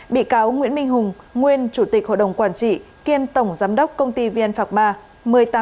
bị cáo nguyễn minh hùng nguyên chủ tịch hội đồng quản trị kiêm tổng giám đốc công ty vn phạc ma